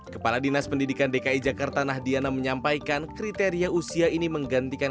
kepala dinas pendidikan dki jakarta nahdiana menyampaikan kriteria usia ini menggantikan